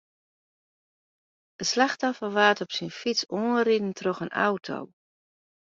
It slachtoffer waard op syn fyts oanriden troch in auto.